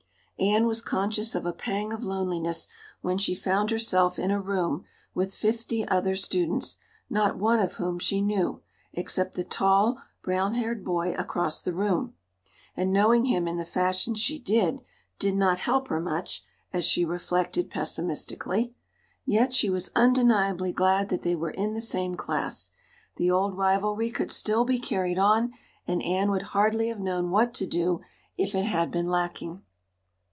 Anne was conscious of a pang of loneliness when she found herself in a room with fifty other students, not one of whom she knew, except the tall, brown haired boy across the room; and knowing him in the fashion she did, did not help her much, as she reflected pessimistically. Yet she was undeniably glad that they were in the same class; the old rivalry could still be carried on, and Anne would hardly have known what to do if it had been lacking.